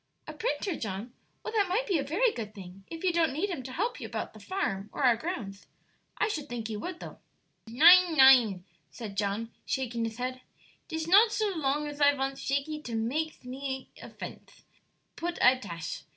"A printer, John? Well, that might be a very good thing if you don't need him to help you about the farm, or our grounds. I should think you would, though." "Nein, nein," said John, shaking his head; "'tis not so long as I vants Shakey to makes mit me a fence; put I tash!